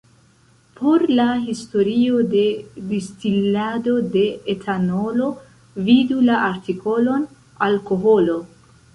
Por la historio de distilado de etanolo, vidu la artikolon Alkoholo.